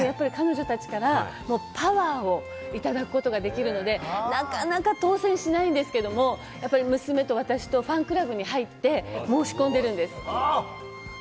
彼女たちからパワーをいただくことができるので、なかなか当選しないんですけれども、娘と私とファンクラブに入って申し込んでいるんです。